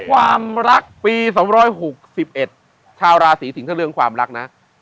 ความรักปี๒๖๑ชาวราศีสิงศ์ถ้าเรื่องความรักนะ